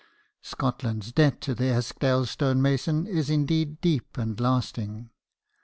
Scotland's debt to the Eskdale stonemason is indeed deep and lasting.